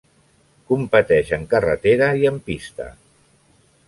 Competeix en carretera i en pista.